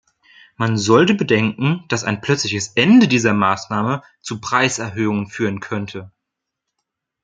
Man sollte bedenken, dass ein plötzliches Ende dieser Maßnahme zu Preiserhöhungen führen könnte.